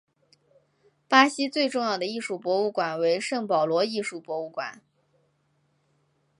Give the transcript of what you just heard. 巴西最重要的艺术博物馆为圣保罗艺术博物馆。